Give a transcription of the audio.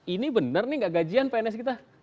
ini benar nih enggak gajian pns kita